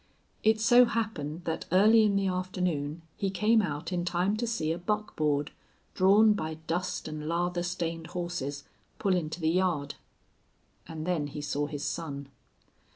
It so happened that early in the afternoon he came out in time to see a buckboard, drawn by dust and lather stained horses, pull into the yard. And then he saw his son.